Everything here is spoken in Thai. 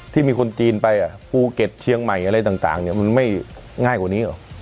ที่มีคนจีนไปภูเก็ตเชียงใหม่อะไรต่างมันไม่ง่ายกว่านี้หรอ